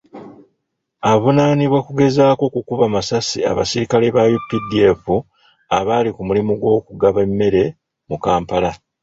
Avuunaanibwa kugezaako kukuba masasi abasirikale ba UPDF abaali ku mulimu gw'okugaba emmere mu Kampala.